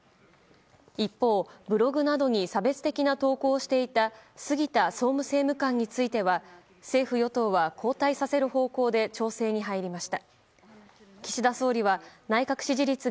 一方、ブログなどに差別的な投稿をしていた杉田総務政務官については政府・与党は交代させる方向で調整に入りました。